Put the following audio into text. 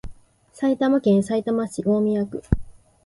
埼玉県さいたま市大宮区